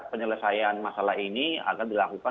penyelesaian masalah ini agar dilakukan